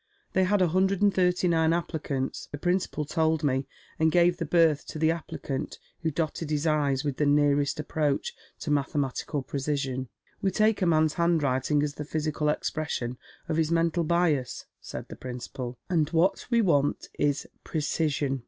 They had a hundred and thirty nine applicants, the principal told me, and gave the berth to the applicant who dotted his i's with the nearest approach to mathe matical precision. ' We take a man's handwriting as the physical expi ession of his mental bias,' said the principal, 'and what we want is precision.'